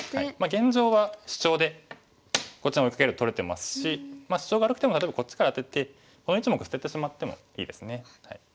現状はシチョウでこっちに追いかけると取れてますしシチョウ悪くても例えばこっちからアテてこの１目捨ててしまってもいいですね。